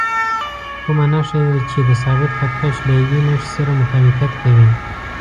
کومه نښه یې چې د ثابت خط کش له یوې نښې سره مطابقت کوي.